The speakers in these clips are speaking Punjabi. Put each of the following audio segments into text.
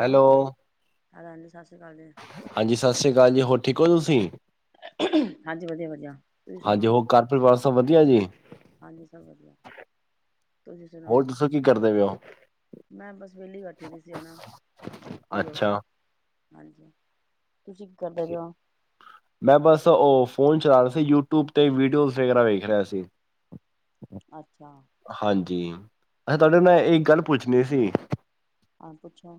ਹੈਲੋ ਅ ਹਾਂਜੀ ਸਤਿ ਸ੍ਰੀ ਅਕਾਲ ਜੀ ਹੋਰ ਠੀਕ ਠੀਕ ਹੋ ਤੁਸੀਂ ਹਾਂਜੀ ਵਧੀਆ ਵਧੀਆ ਤੁਸੀਂ ਹਾਂਜੀ ਸੁਣਾਓ ਹੋਰ ਘਰ ਪਰਿਵਾਰ ਸਭ ਵਧੀਆ ਜੀ ਹਾਂਜੀ ਸਭ ਵਧੀਆ ਤੁਸੀਂ ਸੁਣਾ ਹੋਰ ਦੱਸੋ ਕੀ ਕਰਦੇ ਪਏ ਹੋ ਮੈਂ ਬਸ ਵੇਹਲੀ ਬੈਠੀ ਦੀ ਸੀ ਉਹ ਫੀ ਹੋ ਅੱਛਾ ਗਿਆ ਹਾਂਜੀ ਤੁਸੀਂ ਕੀ ਕਰਦੇ ਕਿ ਮੈਂ ਬਸ ਉਹ ਫੋਨ ਚਲਾ ਰਿਹਾ ਸੀ ਯੂਟਿਊਬ ਤੇ ਵੀਡੀਓਜ਼ ਵਗੈਰਾ ਵੇਖ ਰਿਹਾ ਸੀ ਅੱਛਾ ਹਾਂਜੀ ਅੱਛਾ ਤੁਹਾਡੇ ਕੋਲੋਂ ਮੈਂ ਇੱਕ ਗੱਲ ਪੁੱਛਣੀ ਸੀ ਹਹ ਪੁੱਛੋ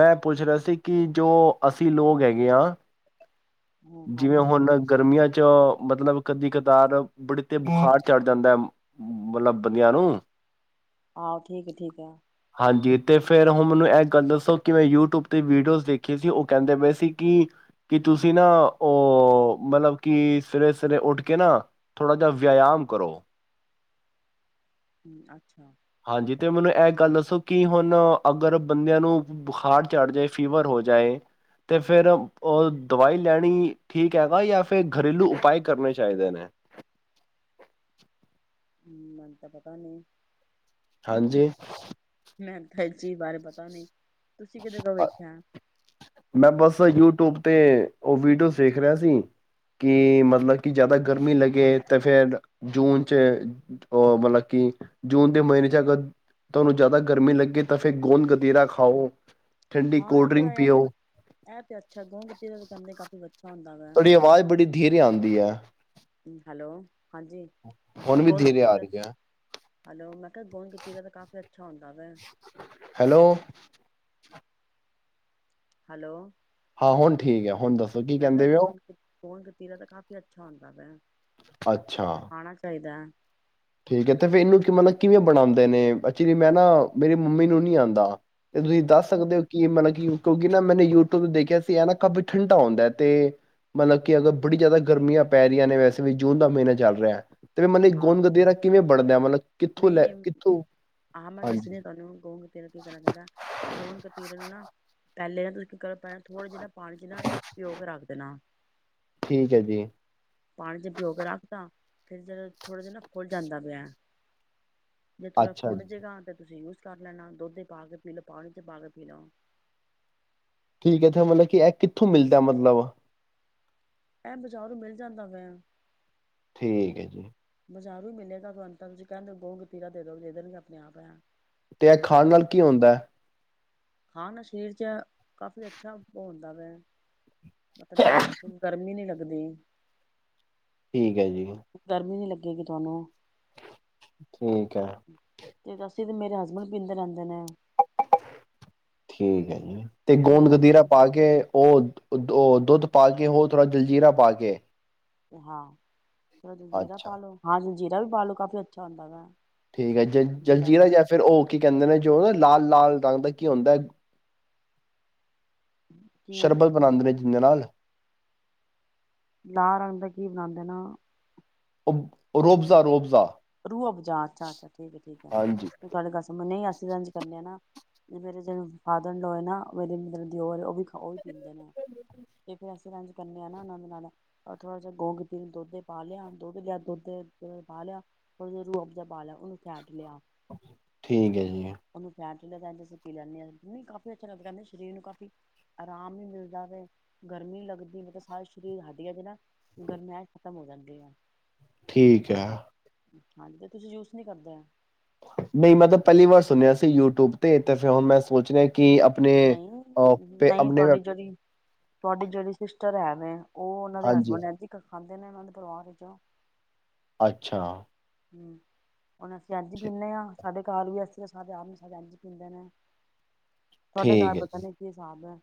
ਮੈਂ ਪੁੱਛ ਰਿਹਾ ਸੀ ਕਿ ਜੋ ਅਸੀਂ ਲੋਕ ਹੈਗੇ ਹਾਂ ਹਾਂ ਜਿਵੇਂ ਹਾਂਜੀ ਹੁਣ ਗਰਮੀਆਂ ਮਤਲਬ ਕਦੀ ਕਤਾਰ ਬੜਤੇ ਬੁਖਾਰ ਚੜ੍ਹ ਜਾਂਦਾ ਹੈ ਮਤਲਬ ਬੰਦਿਆਂ ਨੂੰ ਆਹੋ ਠੀਕ ਠੀਕ ਆ ਹਾਂਜੀ ਅਤੇ ਫਿਰ ਹੁਣ ਮੈਨੂੰ ਇਹ ਗੱਲ ਦੱਸੋ ਕਿ ਮੈਂ ਯੂਟਿਊਬ 'ਤੇ ਵੀਡੀਓਜ਼ ਦੇਖੀ ਸੀ ਉਹ ਕਹਿੰਦੇ ਪਏ ਸੀ ਕਿ ਕੀ ਤੁਸੀਂ ਨਾ ਉਹ ਮਤਲਬ ਕਿ ਸਵੇਰਰੇ ਸਵੇਰਰੇ ਉੱਠ ਕੇ ਨਾ ਥੋੜ੍ਹਾ ਜਿਹਾ ਵਿਆਇਮ ਕਰੋ ਹੂੰ ਅੱਛਾ ਹਾਂਜੀ ਤੇ ਮੈਨੂੰ ਐ ਗੱਲ ਦੱਸੋ ਕਿ ਹੁਣ ਅਗਰ ਬੰਦਿਆਂ ਨੂੰ ਬੁਖਾਰ ਚੜ ਜਾਏ ਫੀਵਰ ਹੋ ਜਾਏ ਤੇ ਫੇਿਰ ਉਹ ਦਵਾਈ ਲੈਣੀ ਠੀਕ ਹੈਗਾ ਜਾਂ ਫਿਰ ਘਰੇਲੂ ਉਪਾਏ ਕਰਨੇ ਚਾਹੀਦੇ ਨੇ ਹਮ ਮਨ ਤਾਂ ਪਤਾ ਨਹੀਂੀ ਹਾਂਜੀ ਮੈ ਤਾਂ ਚੀਜ਼ ਬਾਰੇ ਪਤਾ ਨੀ ਤੁਸੀਂ ਕਿਦੇ ਕੋ ਵੇਖਿਆ ਮੈਂ ਬਸ ਯੂਟਿਊਬ ਤੇ ਉਹ ਵੀਡੀਓ ਦੇਖ ਰਿਹਾ ਸੀ ਕਿ ਮਤਲਬ ਮੈ ਬੱਸ ਯੂਟਿਊਬ ਚ ਵੀਡਿਓ ਦੇਖ ਰਿਹਾ ਸੀ ਕਿ ਜ਼ਿਆਦਾ ਗਰਮੀ ਲੱਗੇ ਤਾਂ ਫੇਿਰ ਜੂਨ ਚਚ ਅ ਮਤਲਬ ਕਿ ਜੂਨ ਦੇ ਮਹੀਨੇ ਚ ਅਗਰ ਤੁਹਾਨੂੰ ਜ਼ਿਆਦਾ ਗਰਮੀ ਲੱਗੇ ਤਾਂ ਫਿਰ ਗੋਂਦ ਗਤਿਰਾ ਖਾਓ ਠੰਡੀ ਹਾਂ ਇਹ ਕੋਲਡ ਤਾਂ ਡਰਿੰਕ ਇਹ ਤੇ ਪੀਓ ਇਹ ਤੇ ਅੱਛਾ ਗੋਦ ਕਤਿਰਾ ਕਾਫੀ ਅੱਛਾ ਹੈ ਤੁਹਾਡੀ ਆਵਾਜ਼ ਬੜੀ ਧੀਰੇ ਆਉਂਦੀ ਹੈ ਹੈਲੋ ਹਾਂਜੀ ਮੈਂ ਕਿਹਾ ਹੁਣ ਵੀ ਗੋਂਦ ਧੀਰੇ ਆ ਕਤੀਰਾ, ਰਹੀ ਹੈ। ਹਲੋ ਮੈਂ ਕਿਹਾ ਗੋਂਦ ਕਰਿਰਾ ਤਾਂ ਕਾਫ਼ੀ ਅੱਛਾ ਹੁੰਦਾ ਵਾ ਹੈਲੋ ਹੈਲੋ ਹਾਂ ਹੁਣ ਠੀਕ ਹੈ ਹੁਣ ਦੱਸੋ ਕੀ ਕਹਿੰਦੇ ਵੀ ਉਹ ਤੀਰਾ ਤਾਂ ਕਾਫੀ ਅੱਛਾ ਹੁੰਦਾ ਪੈਣ ਅੱਛਾ। ਆਣਾ ਚਾਹੀਦਾ ਠੀਕ ਹੈ ਤੇ ਫਿਰ ਇਹਨੂੰ ਮਤਲਬ ਕਿਵੇਂ ਬਣਾਉਂਦੇ ਨੇ ਐਕਚੁਲੀ ਮੈਂ ਨਾ ਮੇਰੀ ਮੰਮੀ ਨੂੰ ਨਹੀਂੀ ਆਉਂਦਾ ਤੇ ਤੁਸੀਂ ਦੱਸ ਉਹ ਸਕਦੇ ਹੋ ਕੀ ਮਤਲਬ ਕਿ ਕਿਉਂਕਿ ਨਾ ਮੈਨੇ ਯੂਟਿਊਬ ਦੇਖਿਆ ਸੀ ਹੈ ਨਾ ਕਾਫੀ ਠੰਢਾ ਹੁੰਦਾ ਹੈ ਤੇ ਮਤਲਬ ਕਿ ਅਗਰ ਬੜੀ ਜ਼ਿਆਦਾ ਗਰਮੀਆਂ ਪੈ ਰਹੀਆਂ ਨੇ ਵੈਸੇ ਵੀ ਜੂਨ ਦਾ ਮਹੀਨਾ ਚੱਲ ਰਿਹਾ ਤੇ ਮਨ ਇੱਕ ਹਾਂ ਗੋਂਦ ਕਾਤਿਰਾ ਨਹੀਂ ਆਹੋ ਮੈਂ ਹਾਂਜੀ ਦੱਸਣੀ ਹ ਤੁਹਾਨੂੰ ਗੋਂਦ ਕਤਿਰਾ ਕੀ ਕਰਨਾ ਚਾਹੀਦਾ ਗੋਦ ਕਤਿਰਾ ਨੂੰ ਨਾ ਪਹਿਲੇ ਨਾ ਤੁਸੀਂ ਪੈ ਥੋੜ੍ਹਾ ਜਿ ਨਾ ਪਾਣੀ ਚ ਨਾ ਪਿਓਗ ਰੱਖ ਦੇਣਾ ਠੀਕ ਹੈ ਜੀ ਪਾਣੀ ਚ ਪਿਓ ਕੇ ਰੱਖਦਾ ਫਿਰ ਜਦੋਂ ਥੋੜ੍ਹਾ ਜਿਹਾ ਨਾ ਖੁੱਲ ਜਾਂਦਾ ਵਿਆ ਜੇ ਥੋੜਾ ਅੱਛਾ ਫੁੰਡ ਜੀ ਜੇਗਾ ਤੇ ਤੁਸੀਂ ਉਸ ਕਰ ਲੈਣਾ ਦੁੱਧ ਚ ਪਾ ਕੇ ਪੀ ਲ ਪਾਣੀ ਚ ਪਾ ਕੇ ਪੀ ਲਓ ਠੀਕ ਹੈੱਥੇ ਮਤਲਬ ਕਿ ਇਹ ਕਿੱਥੋਂ ਮਿਲਦਾ ਮਤਲਬ ਐ ਬਾਜ਼ਾਰੋ ਨੂੰ ਮਿਲ ਜਾਂਦਾ ਪੈ ਠੀਕ ਹੈ ਜੀ ਬਾਜ਼ਾਰੋ ਮਿਲੇਗਾ ਤੁਹਾਨੂੰ ਅਕੋਗੇ ਗੋਂਦ ਕਟਿਰਾ ਦੇ ਦੋ ਦੇ ਦੇਣਗੇ ਆਪਣੇ ਆਪ ਤੇ ਇਹ ਖਾਣ ਨਾਲ ਕੀ ਹੁੰਦਾ ਹੈ ਖਾਣ ਨਾਲ ਸਰੀਰ ਚ ਕਾਫੀ ਅੱਛਾ ਹੋ ਨ ਦੇ ਮਤਲਬ ਗਰਮੀ ਨੀ ਲੱਗਦੀ ਸਕਦੀ ਠੀਕ ਹੈ ਜੀ। ਦੇ ਰੀ ਤੁਹਾਨੂੰ ਠੀਕ ਹੈ। ਤੇ ਅਸੀਂ ਤੇ ਮੇਰੇ ਹਸਬੈਂਡ ਪੀਂਦੇ ਰਹਿੰਦੇ ਨੇ। ਠੀਕ ਹੈ ਜੀ। ਤੇ ਮੇਰੇ ਗੋਂਦ ਗਦੀਰਾ ਹਸਬੈਂਡ ਪਾ ਕੇ ਉਹ। ਉਹ ਦੁੱਧ ਪਾ ਕੇ ਹੋਰ ਥੋੜ੍ਹਾ ਜਲਜੀਰਾ ਪਾ ਕੇ। ਹਾਂ। ਜੀਰਾ ਪਾ ਅੱਛਾ ਲੋ ਹਾਂਜੀ। ਜੀਰਾ ਵੀ ਪਾ ਲੋ ਕਾਫੀ ਅੱਛਾ ਹੁੰਦਾ ਵਾ। ਠੀਕ ਹੈ ਜ ਜੀਰਾ ਜਲਜੀਰਾ ਤੇ ਜਾਂ ਫਿਰ ਉਹ ਕੀ ਕਹਿੰਦੇ ਨੇ ਜੋਅਰ ਲਾਲ ਲਾਲ ਰੰਗ ਦਾ ਕੀ ਹੁੰਦਾ ਹੈ। ਕੀ ਸ਼ਰਬਤ ਬਣਾਉਂਦੇ ਨੇ। ਜਨਾਬ ਲਾਲ ਰੰਗ ਦਾ ਕੀ ਬਣਾਉਦੇ ਨੇ ਰੂ ਆਫ ਜਾ ਰੂ ਆਫ ਜਾ ਰੂਹ ਅਫਜਾ ਅੱਛਾ ਅੱਛਾ ਠੀਕ ਹੈ ਠੀਕ ਹੈ ਹਾਂਜੀ ਗੱਲ ਸਮਝ ਨਹੀਂ ਆਈ ਲੰਚ ਕਰ ਲੈਣਾ ਨਾ ਮੇਰੇ ਜਿਹੜੇ ਫਾਦਰ ਇਨ ਲੋ ਤੇ ਨਾਲੇ ਮੇਰੇ ਅ ਨਾ ਦਿਓਰ ਉਹ ਵੀ ਉਹਵੀ ਪੀਂਦੇ ਨੇ ਤੇ ਫੇਰ ਵੀ ਅਸੀਂ ਕੱਲ ਮੈਂ ਨਾ ਨਾਨਣ ਦੇ ਨਾਲ ਥੋੜ੍ਹਾ ਜਿਹਾ ਗੂੰਦ ਕਤੀਰਾ ਦੁੱਧ ਪਾ ਲਿਆ ਦੁੱਧ ਜਾ ਦੁੱਧ ਪਾ ਲਿਆ ਉਹਦੇ ਵਿੱਚ ਰੂਹ ਅਫਜਾ ਪਾ ਲਿਆ ਉਹਨੂੰ ਫੈਂਟ ਲਿਆ ਠੀਕ ਹੈ ਜੀ। ਮੈਂ ਤਾਂ ਐਵੇਂ ਹੀ ਸੁੱਕੀ ਜਾਨੀ ਆ ਨਹੀਂ ਕਾਫੀ ਅੱਛਾ ਲੱਗਦਾ ਸਰੀਰ ਨੂੰ ਬਹੁਤ ਆਰਾਮ ਵੀ ਮਿਲਦਾ ਜਾਂਦਾ ਹੈ। ਗਰਮੀ ਲੱਗਦੀ ਹੈ ਮੇਰੇ ਸਾਰੇ ਸਰੀਰ ਦੀਆਂ ਹੱਡੀਆਂ ਵਿੱਚ ਗਰਮੈਸ਼ ਖਤਮ ਹੋ ਜਾਂਦੀ ਆ। ਠੀਕ ਹੈ ਹਾਂਜੀ ਤੇ ਤੁਸੀਂ ਯੂਜ ਨਹੀਂੀ ਕਰਦੇ ਆ ਨਹੀਂ ਮਤਲਬ ਪਹਿਲੀ ਵਾਰ ਸੁਣਿਆ ਸੀ ਯੂਟਿਊਬ ਤੇ ਤੇ ਫਿਰ ਹੁਣ ਮੈਂ ਸੋਚ ਰਿ ਨਹੀਂ ਨਹੀਂ ਤੁਹਾਡੀ ਜਿਹੜੀ ਤੁਹਾਡੀ ਜਿਹੜੀ ਸਿਸਟ ਚਰਿਆ ਨੇ ਉਹ ਉਹਨਾਂ ਦੇ ਹਾਂਜੀ ਹੈਸਬੈਂਡ ਖਾਂਦੇ ਨੇ ਉਹਨਾਂ ਦੇ ਪਰਿਵਾਰ ਵਿੱਚੋਂ ਅੱਛਾ। ਹੂੰ। ਹੁਣ ਅਸੀਂ ਅੱਜ ਪੀਂਨੇ ਆਂ। ਸਾਡੇ ਘਰ ਵੀ ਐਸੀਂ ਸਾਡੇ ਆਰ ਨੂੰ ਸਾਡੇ ਇੰਝ ਪੀਂਦੇ ਨੇ ਤੁਹਾਡੇ ਠੀਕ ਘਰ ਹੈ ਪਤਾ ਜੀ। ਨੀ ਕੀ ਹਿਸਾਬ ਹੈ।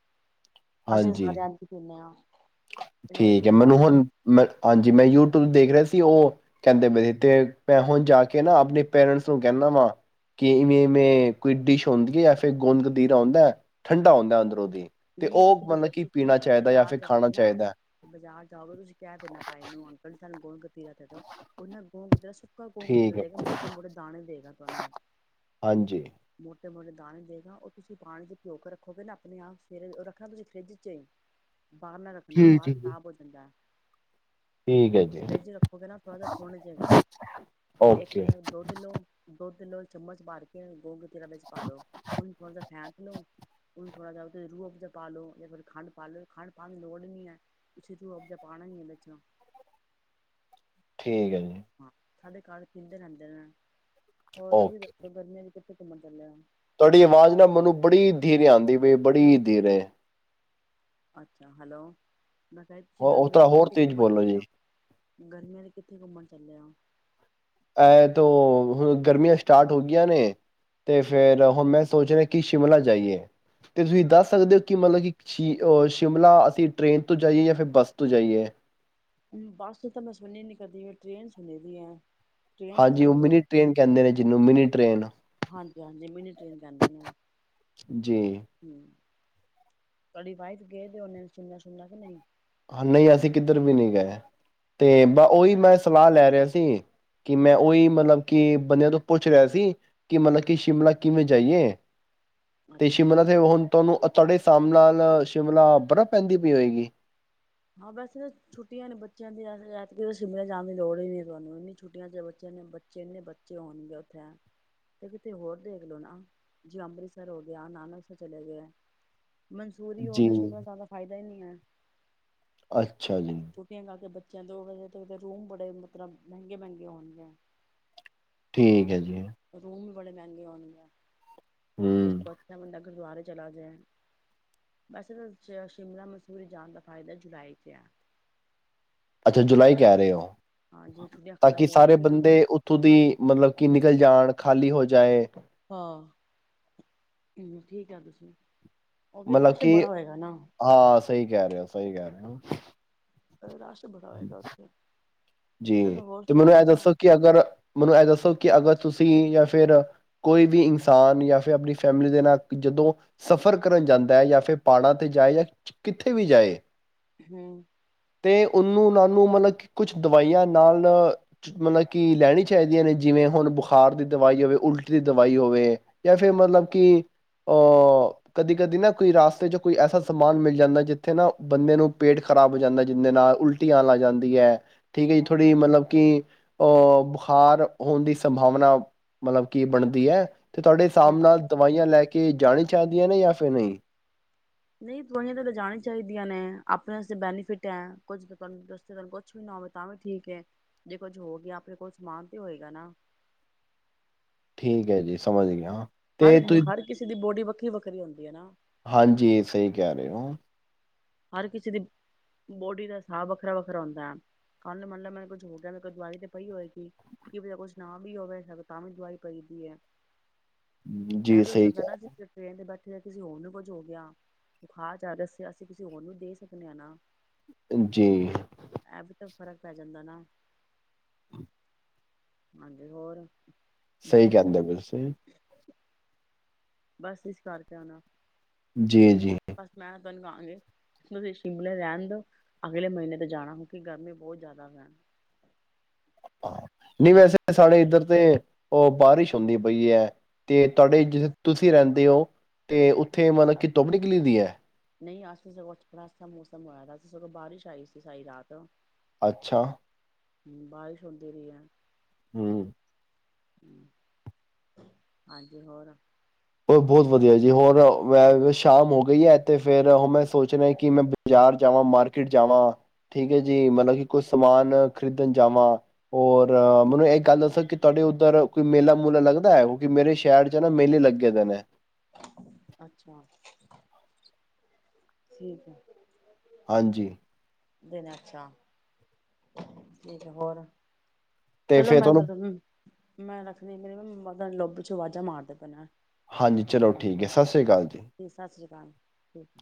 ਅਸੀਂ ਹਾਂਜੀ, ਸਾਰੇ ਐਂਜ ਹੀ ਪੀਂਦੇ ਹਾਂ ਠੀਕ ਹੈ ਮੈਨੂੰ ਬਜ਼ਾਰੂ ਹੁਣ ਮੈਂ ਹਾਂਜੀ ਮੈਂ ਯੂਟਿਊਬ ਦੇਖ ਰਿਹਾ ਸੀ। ਉਹ ਕਹਿੰਦੇ ਪਏ ਤੇ ਮੈਂ ਹੁਣ ਜਾ ਕੇ ਨਾ ਆਪਣੇ ਪੇਰੈਂਟਸ ਨੂੰ ਕਹਿੰਦਾ ਵਾ ਕਿ ਇਵੇਂ ਇਵੇਂ ਕੋਈ ਡਿਸ਼ ਹੁੰਦੀ ਹੈ, ਫੇਰ ਗੁੰਦ ਕਤੀਰਾ ਹੁੰਂਦਾ ਠੰਡਾ ਹੁੰਦਾ ਅੰਦਰੋਂ ਦੀ ਤੇ ਨਹੀਂ ਉਹ ਤੁਸੀਂ ਮਤਲਬ ਕਿ ਤੁਸੀਂ ਪੀਣਾ ਚਾਹੀਦਾ ਜਾਂ ਬਾਜ਼ਾਰ ਫਿਰ ਖਾਣਾ ਜਾਓਗੇ ਨਾ ਚਾਹੀਦਾ ਬਾਜ਼ਾਰ ਜਾਓਗੇ ਤੁਸੀਂ ਕਹਿ ਦਿੰਨਾ ਪਾ ਇਹਨੂੰ ਅੰਕਲ ਜੀ ਸਾਨੂੰ ਗੁੰਦ ਕਤੀਰਾ ਉਹਨਾਂ ਗੋਂਗ ਦਾ ਸੀ। ਕੌਂ ਠੀਕ ਕੀ ਹੈ ਦੇਗਾ ਮੋਟੇ- ਮੋਟੇ ਦਾਣੇ ਦੇਗਾ। ਮ ਹਾਂਜੀ [inaudible] ਮੋਟੇ ਮੋਟੇ ਦਾਣੇ ਦੇਵੇਗਾ ਉਹ ਤੁਸੀਂ ਪਾਣੀ ਦੇ ਪਿਓ ਕੇ ਰੱਖੋਗੇ ਨਾ ਆਪਣੇ ਆਪ ਫਿਰ ਰੱਖਣਾ ਤੁਸੀਂ ਫਰਿੱਜ ਚ ਹੀ ਬਾਹਰ ਨਾ ਰੱਖਣਾ ਠੀਕ ਬਾਹਰ ਹੈ ਜੀ। ਖ਼ਰਾਬ ਹੋ ਜਾਂਦਾ ਹੈ। ਠੀਕ ਹੈ ਜੀ ਫਰਿੱਜ ਰੱਖੋਗੇ ਨਾ ਥੋੜਾ ਜੇਹਾ ਫੁੰਨ ਜੇਗਾ ਇੱਕ ਓਕੇ ਤੇ ਦੁੱਧ ਲਓ ਦੁੱਧ ਲਓ ਚਮਚ ਭਰ ਕੇ ਨਾ ਗੋਂਗ ਕਤੀਰਾ ਵਿੱਚ ਪਾ ਦੋ, ਉਹਨੂੰ ਥੋੜਾ ਜਹਾ ਫੈਂਟ ਲੋ ਉਹਨੂੰ ਥੋੜ੍ਹਾ ਜਾ ਓਹ ਫਿਰ ਰੂਹ ਅਫ਼ਜ਼ ਪਾ ਲਓ ਜਾਂ ਫਿਰ ਖੰਡ ਪਾ ਲਓ ਖੰਡ ਪਾਉਣ ਦੀ ਲੋੜ ਨਈ ਹੈ, ਤੁਸੀਂ ਰੂਹ ਅਫਜ਼ ਪਾਣਾ ਹੀ ਹੈ ਵਿਚ ਠੀਕ ਹੈ ਜੀ। ਸਾਡੇ ਘਰ ਪੀਂਦੇ ਰਹਿੰਦੇ ਨੇ। ਹੋਰ ਤੂੰ ਵੀ ਓਕੇ ਦੱਸੋ ਬੰਨੇ ਕਿਥੇ ਘੁੰਮਣ ਚੱਲਿਆ ਤੁਹਾਡੀ ਆਵਾਜ਼ ਨਾ ਮੈਨੂੰ ਬੜੀ ਧੀਰੇ ਆਂਦੀ ਪਈ ਏ ਬੜੀ ਧੀਰੇ ਅੱਛਾ ਹੈਲੋ, ਮੈਂ ਕਿਹਾ ਤੁਸੀਂ ਹੋ ਗਰਮੀਆਂ ਥੋੜਾ ਚ ਹੋਰ ਕਿੱਥੇ ਤੇਜ਼ ਘੁੰਮਣ ਬੋਲੋ ਚੱਲੇ ਜੀ ਹੋ, ਗਰਮੀਆਂ ਚ ਕਿੱਥੇ ਘੁੰਮਣ ਚੱਲਿਆ ਇਹ ਤੋਂ ਹੁਣ ਗਰਮੀਆਂ ਸਟਾਟ ਹੋ ਗਈਆਂ ਨੇ, ਤੇ ਫੇਰ ਹੁਣ ਮੈਂ ਸੋਚ ਰਿਹਾ ਕਿ ਸ਼ਿਮਲਾ ਜਾਈਏ ਤੇ ਤੁਸੀਂ ਦੱਸ ਸਕਦੇ ਹੋ ਕਿ ਮਤਲਬ ਕਿ ਸ਼ਿ ਸ਼ਿਮਲਾ ਅਸੀਂ ਟ੍ਰੇਨ ਤੋਂ ਜਾਈਏ ਜਾਂ ਫਿਰ ਬੱਸ ਤੋਂ ਜਾਈਏ। ਬੱਸ ਤਾਂ ਮੈਂ ਸੁਣੀ ਨੀ ਕਦੀ ਟ੍ਰੇਨ ਸੁਣੀ ਦੀ ਆ ਹਾਂਜੀ, ਉਹ ਮਿਨੀ ਟ੍ਰੇਨ ਕਹਿੰਦੇ ਨੇ ਜਿਹਨੂੰ ਮਿਨੀ ਟ੍ਰੇਨ ਹਾਂਜੀ ਹਾਂਜੀ ਮਿੰਨੀ ਟ੍ਰੇਨ ਕਹਿੰਦੇ ਨੇ ਜੀ। ਹਮ ਤੁਹਾਡੀ ਵਾਈਫ ਗਏ ਤੇ ਉਨੇ ਸੁਣਨਾ ਸੁਣਨਾ ਕਿ ਨਹੀਂ ਨਹੀਂ, ਅਸੀਂ ਕਿੱਧਰ ਵੀ ਨਹੀਂ ਗਏ ਤੇ ਓਈ ਮੈੰ ਸਲਾਹ ਲੈ ਰਿਆ ਸੀ ਕਿ ਮੈਂ ਓਈ ਮਤਲਬ ਕਿ ਬੰਦਿਆਂ ਤੋਂ ਪੁੱਛ ਰਿਆ ਸੀ ਕਿ ਮਤਲਬ ਕੇ ਸ਼ਿਮਲਾ ਕਿਵੇਂ ਜਾਈਏ। ਤੇ ਅੱਛਾ ਸ਼ਿਮਲਾ ਤੇ ਹੁਣ ਤੁਹਾਨੂੰ ਤੁਹਾਡੇ ਸ ਨਾਲ- ਨਾਲ ਸ਼ਿਮਲਾ ਬਰਫ਼ ਪੈਂਦੀ ਪਈ ਹੋਏਗੀ। ਹਾਂ ਕਿ ਸ਼ਿਮਲੇ ਜਾਣ ਦੀ ਲੋੜ ਹੀ ਨੀ ਤੁਹਾਨੂੰ ਇੰਨੀ ਛੁੱਟੀਆਂ ਚ ਬੱਚੇ ਬੱਚੇ ਇੰਨੇ ਬੱਚੇ ਹੋਣਗੇ ਉੱਥੇ ਤੇ ਕਿਤੇ ਹੋਰ ਦੇਖ ਲਓ ਨਾ, ਜਿਵੇਂ ਅੰਮ੍ਰਿਤਸਰ ਹੋ ਗਿਆ ਨਾਨਕਸਰ ਚਲੇ ਗਏ। ਮਨਸੂਰੀ ਜੀ ਹੋਵੇ ਸ਼ਿਮਲਾ ਸਾਡਾ ਫਾਇਦਾ ਹੀ ਨਹੀਂ ਹੈ। ਅੱਛਾ ਜੀ ਛੁੱਟੀਆਂ ਤੋਂ ਆ ਕੇ ਬੱਚੇ ਦੋ ਵਜੇ ਤਕ ਤੇ ਰੂਮ ਬੜੇ ਮਤਲਬ ਮਹਿੰਗੇ ਮਹਿੰਗੇ ਹੋਣਗੇ ਠੀਕ ਹੈ ਜੀ ਰੂਮ ਵੀ ਬੜੇ ਮਹਿੰਗੇ ਹੁਣ ਇਸ ਹੂੰ, ਤੋਂ ਅੱਛਾ ਬੰਦਾ ਚਲਾ ਗਿਆ ਬਸ ਸ਼ਿਮਲਾ ਮਸੂਰੀ ਜਾਣ ਦਾ ਫਾਇਦਾ ਅੱਛਾ ਜੁਲਾਈ ਕਹਿ ਰਹੇ ਹੋ ਹਾਂ ਜਿਵੇਂ ਛੁੱਟੀਆਂ ਤਾਂ ਕਿ ਖਤਮ ਸਾਰੇ ਹੋਣਗੀਆਂ ਬੰਦੇ ਉਥੋਂ ਦੀ ਮਤਲਬ ਕੀ ਨਿਕਲ ਜਾਣ ਖਾਲੀ ਹੋ ਜਾਏ ਹਹ ਠੀਕ ਆ ਤੁਸੀਂ ਉਹ ਵੀ ਮਤਲਬ ਰਸ਼ ਕਿ ਬੜਾ ਹੋਏਗਾ ਨਾ ਹਾਂ ਸਹੀ ਕਹਿ ਰਿਹਾ ਸਹੀ ਸਹੀ ਗੱਲ ਰਾਸ਼ ਬੜਾ ਹੋਏਗਾ ਉੱਥੇ ਜੀ ਚਲੋ ਹੋਰ ਤੇ ਮੈਨੂੰ ਸੁਣਾਓ ਇਹ ਵਧੀਆ। ਦੱਸੋ ਕਿ ਅਗਰ ਮੈਨੂੰ ਇਹ ਦੱਸੋ ਕਿ ਅਗਰ ਤੁਸੀਂ ਜਾਂ ਫਿਰ ਕੋਈ ਵੀ ਇਨਸਾਨ ਜਾਂ ਫਿਰ ਆਪਣੀ ਫੈਮਲੀ ਦੇ ਨਾਲ ਜਦੋਂ ਸਫ਼ਰ ਕਰਨ ਜਾਂਦਾ ਹੈ ਜਾਂ ਫਿਰ ਪਹਾੜਾਂ ਤੇ ਜਾਏ ਜਾਂ ਕਿੱਥੇ ਵੀ ਜਾਏ ਹੂੰ ਤੇ ਉਹਨੂੰ ਲ ਨੂੰ ਮਤਲਬ ਕਿ ਕੁੱਛ ਦਵਾਈਆਂ ਨਾਲ ਮਤਲਬ ਕਿ ਲੈਣੀ ਚਾਹੀਦੀਆਂ ਨੇ ਜਿਵੇਂ ਹੁਣ ਬੁਖਾਰ ਦੀ ਦਵਾਈ ਹੋਵੇ ਉਲਟੀ ਦੀ ਦਵਾਈ ਹੋਵੇ ਜਾਂ ਫਿਰ ਮਤਲਬ ਕਿ ਅਹ ਕਦੀ ਕਦੀ ਨਾ ਕੋਈ ਰਸਤੇ ਚ ਕੋਈ ਐਸਾ ਸਮਾਨ ਮਿਲ ਜਾਂਦਾ ਜਿੱਥੇ ਨਾ ਬੰਦੇ ਨੂੰ ਪੇਟ ਖ਼ਰਾਬ ਹੋ ਜਾਂਦਾ ਜਿੰਦੇ ਨਾਲ ਉਲਟੀਆਂ ਲੱਗ ਜਾਂਦੀ ਹੈ ਠੀਕ ਹੈ ਜੀ ਥੋੜ੍ਹੀ ਮਤਲਬ ਕਿ ਅਹ ਬੁਖਾਰ ਹੋਣ ਦੀ ਸੰਭਾਵਨਾ ਮਤਲਬ ਕਿ ਬਣਦੀ ਹੈ ਤੇ ਤੁਹਾਡੇ ਹਿਸਾਬ ਹੂੰ ਨਾਲ ਦਵਾਈਆਂ ਲੈ ਕੇ ਜਾਣੇ ਚਾਹੀਦੀਆਂ ਨੇ ਜਾਂ ਫਿਰ ਨੀ ਨਹੀਂ ਦਵਾਈਆਂ ਤਾਂ ਲਿਜਾਣੀਆਂ ਚਾਹੀਦੀਆਂ ਨੇ ਆਪਣੇ ਵਸਤੇ ਬੈਨੀਫਿਟ ਹੈ ਕੁੱਝ ਤੁਹਾਨੂੰ ਦੱਸ ਤੁਹਾਨੂੰ ਕੁਛ ਵੀ ਨਾ ਹੋਵੇ ਤਾਂ ਵੀ ਠੀਕ ਹੈ ਜੇ ਕੁੱਝ ਹੋ ਗਿਆ ਆਪਣੇ ਕੋਲ ਸਮਾਨ ਤੇ ਹੋਏਗਾ ਨਾ ਠੀਕ ਹੈ ਜੀ ਸਮਝ ਗਏ ਹਾਂ ਹਰ ਤੇ ਤੁਸੀਂ ਹਰ ਕਿਸੇ ਦੀ ਬੋਡੀ ਵੱਖਰੀ ਵੱਖਰੀ ਹੁੰਦੀ ਹੈ ਨਾ ਹਾਂਜੀ ਸਹੀ ਕਹਿ ਰਹੇ ਹੋ ਹਰ ਕਿਸੇ ਦੀ ਬੋਡੀ ਦਾ ਹਿਸਾਬ ਵੱਖਰਾ ਵੱਖਰਾ ਹੁੰਦਾ ਹੈ ਕੱਲ ਮੰਨ ਲ ਮੈ ਕੁੱਝ ਹੋ ਗਿਆ ਮ ਕੋਈ ਦਵਾਈ ਤੇ ਪਈ ਹੋਵੇਗੀ ਕਿ ਬ ਕੁਛ ਨਾ ਵੀ ਹੋਵੇ ਤਾਂ ਵੀ ਦਵਾਈ ਪਈਦੀ ਹੈ ਮੈਂ ਜੀ ਵੀ ਹੋ ਸਹੀ ਸਕਦਾ ਨਾ ਜੇ ਟਰੇਨ ਤੇ ਬੈਠੇ ਜੇ ਕਿਸੇ ਹੋਰ ਨੂੰ ਕੁਝ ਹੋ ਗਿਆ ਬੁਖਾਰ ਚੜ ਗਿਆ ਕਿਸੇ ਹੋਰ ਨੂੰ ਦੇ ਸਕਦੇ ਹਾਂ ਨਾ ਕਹਿ ਜੀ ਇਹ ਵੀ ਤਾਂ ਫ਼ਰਕ ਪੈ ਜਾਂਦਾ ਨਾ ਹਾਂਜੀ ਹੋਰ ਸਹੀ ਕਹਿੰਦੇ ਬ ਸਹੀ ਬਸ ਇਸ ਕਰਕੇ ਆਉਣਾ ਜੀ ਜੀ ਬਸ ਮੈਂ ਤੁਹਾਨੂੰ ਕਹਾਂਗੇ ਤੁਸੀਂ ਸ਼ਿਮਲੇ ਰਹਿਣ ਦ ਅਗਲੇ ਮਹੀਨੇ ਤੇ ਜਾਣਾ ਕਿਉਂਕਿ ਗਰਮੀ ਬਹੁਤ ਜ਼ਿਆਦਾ ਰਹਿਣ ਹ ਨਹੀਂ ਵੈਸੇ ਸਾਡੇ ਇੱਧਰ ਤੇ ਉਹ ਬਾਰਿਸ਼ ਹੁੰਦੀ ਪਈ ਹੈ ਤੇ ਤੁਹਾਡੇ ਜਿੱਥੇ ਤੁਸੀਂ ਰਹਿੰਦੇ ਹੋ ਤੇ ਉੱਥੇ ਮਤਲਬ ਕੀ ਧੁੱਪ ਨਈ ਨਿਕਲੀ ਦੀ ਹੈ ਨਹੀਂ ਅਜ ਤੋ ਸਗੋਂ ਥੜਾ ਅੱਛਾ ਮੌਸਮ ਹੋਇਆ ਦਾ, ਸਗੋਂ ਬਾਰਿਸ਼ ਆਈ ਸੀ ਸਾਰੀ ਰਾਤ ਅੱਛਾ ਹਮ ਬਾਰਿਸ਼ ਹੁੰਦੀ ਰਹੀ ਹੈ ਹੂ ਹਾਂਜੀ ਹੋਰ ਹੋ ਬਹੁਤ ਵਧੀਆ ਜੀ ਹੋਰ ਸ਼ਾਮ ਹੋ ਗਈ ਹੈ ਤੇ ਫੇਰ ਹ ਮੈਂ ਸੋਚਣਾ ਕਿ ਮੈਂ ਬਾਜ਼ਾਰ ਜਾਵਾਂ ਮਾਰਕੀਟ ਜਾਵਾਂ ਠੀਕ ਹੈ ਜੀ ਮਤਲਬ ਕਿ ਕੁਛ ਸਮਾਨ ਖਰੀਦਣ ਜਾਵਾਂ ਔਰ ਮੈਨੂੰ ਇਹ ਗੱਲ ਦੱਸੋ ਕਿ ਤੁਹਾਡੇ ਉੱਧਰ ਕੋਈ ਮੇਲਾ ਮੂਲਾ ਲੱਗਦਾ ਹੈ ਕਿਉਂਕਿ ਮੇਰੇ ਸ਼ਹਿਰ ਚ ਨਾ ਮੇਲੇ ਲੱਗੇ ਕਹਿਦਾ ਨੇ ਅੱਛਾ ਠੀਕ ਐ ਹਾਂਜੀ ਦਿਨ ਅੱਛਾ, ਠੀਕ ਹੋਰ ਤੇ ਚਲੋ ਫੇਰ ਮੈਂ ਤੁਹਾਨੂੰ ਤਾਂ, ਮੈਂ ਰੱਖਦੀ, ਮੇਰੇ ਵਲੋਂ - ਲੋਬੀ ਚੋ ਵਾਜਾਂ ਮਾਰਦੇ ਪੈਣਾ ਹਾਂਜੀ ਚਲੋ ਠੀਕ ਹੈ ਸਤਿ੍ ਸ੍ਰੀ ਅਕਾਲ ਜੀ। ਸਤਿ ਸ੍ਰੀ ਅਕਾਲ, ਠੀਕ।